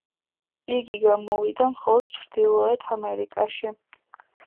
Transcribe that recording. იგი გამოვიდა მხოლოდ ჩრდილოეთ ამერიკაში.